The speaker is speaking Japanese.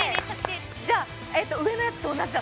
じゃあ上のやつと同じだ。